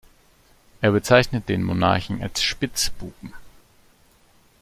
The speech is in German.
Er bezeichnet den Monarchen als „Spitzbuben“.